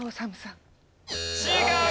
違う！